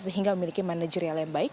sehingga memiliki manajerial yang baik